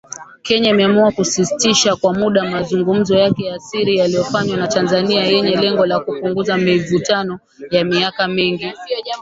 Kenya imeamua kusitisha kwa muda mazungumzo yake ya siri yaliyofanywa na Tanzania yenye lengo la kupunguza mivutano ya miaka mingi.